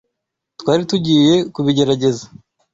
Twari tugiye kubigerageza